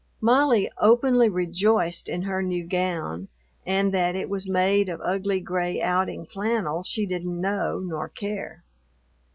Molly openly rejoiced in her new gown, and that it was made of ugly gray outing flannel she didn't know nor care.